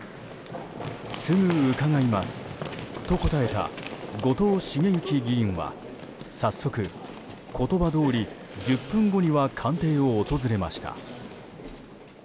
すぐ伺いますと答えた後藤茂之議員は早速、言葉どおり１０分後には官邸を訪れました。